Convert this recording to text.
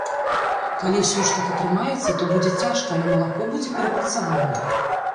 Калі усё ж так атрымаецца, то будзе цяжка, але малако будзе перапрацавана.